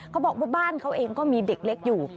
เขาบอกว่าบ้านเขาเองก็มีเด็กเล็กอยู่